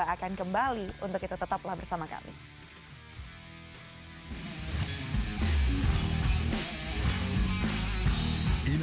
dua ribu dua puluh dua akan kembali untuk kita tetaplah bersama kami